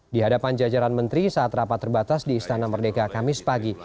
di hadapan jajaran menteri saat rapat terbatas di istana merdeka kamis pagi